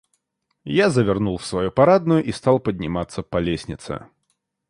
Я завернул в свою парадную и стал подниматься по лестнице.